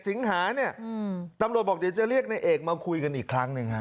สิงหาเนี่ยตำรวจบอกเดี๋ยวจะเรียกในเอกมาคุยกันอีกครั้งหนึ่งฮะ